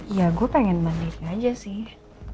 ya gue pengen mandiri aja sih